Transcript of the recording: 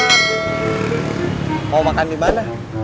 mau makan dimana